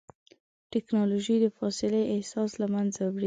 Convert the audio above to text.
ټکنالوجي د فاصلې احساس له منځه وړی دی.